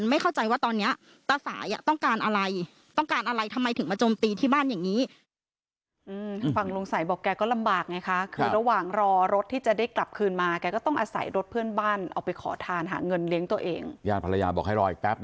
ไม่เข้าใจว่าตอนนี้ตาสายต้องการอะไรต้องการอะไรทำไมถึงมาจมตีที่บ้านอย่างนี้